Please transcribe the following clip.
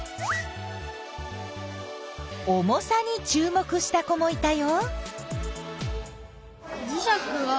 重さにちゅう目した子もいたよ。